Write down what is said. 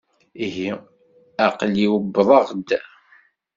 Ihi, aql-i wwḍeɣ-d.